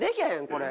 これ。